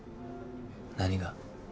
何が？